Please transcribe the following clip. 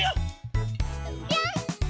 ぴょん！